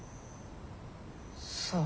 そう。